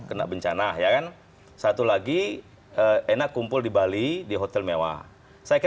untuk mengomentari secara highlight khusus mengenai ini